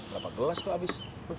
berapa gelas tuh abis